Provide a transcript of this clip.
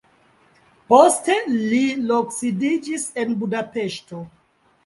Poste li loksidiĝis en Budapeŝto.